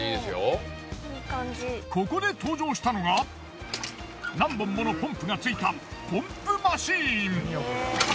ここで登場したのが何本ものポンプがついたポンプマシン。